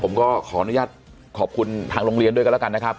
ผมก็ขออนุญาตขอบคุณทางโรงเรียนด้วยกันแล้วกันนะครับ